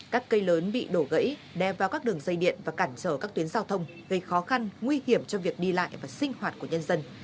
các cây lớn bị đổ gãy đe vào các đường dây điện và cản trở các tuyến giao thông gây khó khăn nguy hiểm cho việc đi lại và sinh hoạt của nhân dân